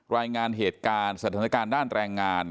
รายงานเหตุการณ์สถานการณ์ด้านแรงงาน